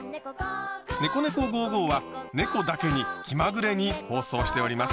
「ねこねこ５５」はねこだけに気まぐれに放送しております。